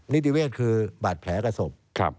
นิติเวศคือบาดแผลกับศพ